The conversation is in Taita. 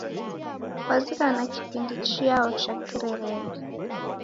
Kwazighana kipindi chiao cha kirerende?